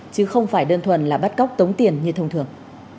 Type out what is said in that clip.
chứ không phải đơn thuần là bắt cóc tống tiền như thông thường